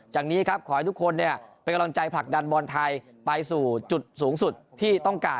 จากนี้ครับขอให้ทุกคนเป็นกำลังใจผลักดันบอลไทยไปสู่จุดสูงสุดที่ต้องการ